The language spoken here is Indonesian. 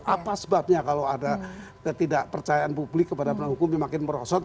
apa sebabnya kalau ada ketidakpercayaan publik kepada penegak hukum yang makin merosot